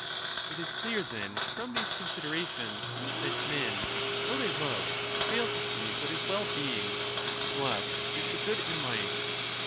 It is clear then from these considerations that men, though they look, fail to see what is well being, what is the good in life.